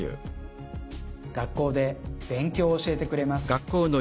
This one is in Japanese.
学校で勉強を教えてくれます。